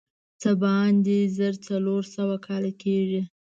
څه باندې زر څلور سوه کاله کېږي.